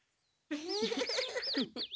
フフフ。